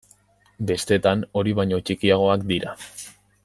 Bestetan hori baino txikiagoak dira.